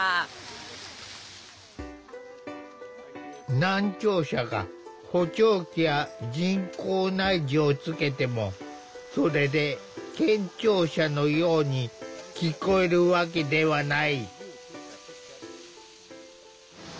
難聴者が補聴器や人工内耳をつけてもそれで健聴者のように聞こえるわけではない。